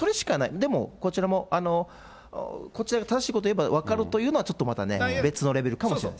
でも、こちらも、こちらが正しいことを言えば分かるというのは、ちょっとまたね、別のレベルかもしれない。